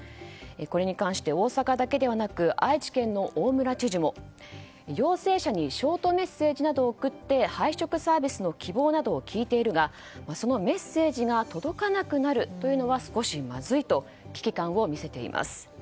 これに関して大阪だけではなく愛知県の大村知事も陽性者にショートメッセージなどを送って配食サービスの希望などを聞いているがそのメッセージが届かなくなるというのは少しまずいと危機感を見せています。